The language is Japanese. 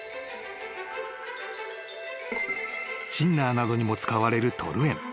［シンナーなどにも使われるトルエン］